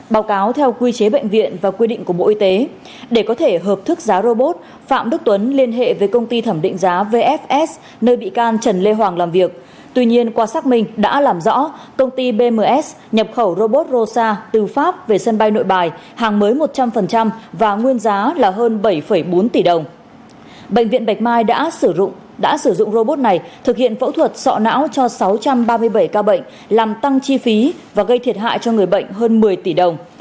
bệnh viện bạch mai đã thực hiện phẫu thuật sọ não cho sáu trăm ba mươi bảy ca bệnh làm tăng chi phí và gây thiệt hại cho người bệnh hơn một mươi tỷ đồng